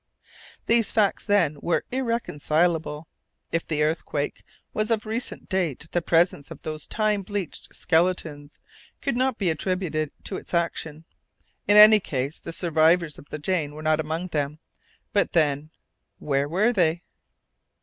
These facts were, then, irreconcilable. If the earthquake was of recent date, the presence of those time bleached skeletons could not be attributed to its action. In any case, the survivors of the Jane were not among them. But then, where were they?